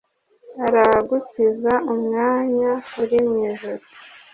aragukiza umwanya uri mwijuru